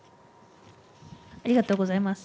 ありがとうございます。